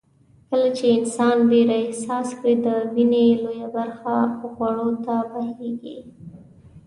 کله چې انسان وېره احساس کړي د وينې لويه برخه غړو ته بهېږي.